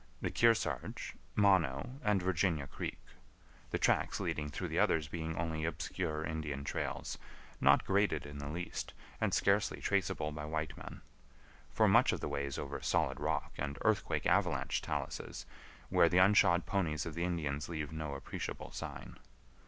the Kearsarge, Mono, and Virginia Creek; the tracks leading through the others being only obscure Indian trails, not graded in the least, and scarcely traceable by white men; for much of the way is over solid rock and earthquake avalanche taluses, where the unshod ponies of the Indians leave no appreciable sign.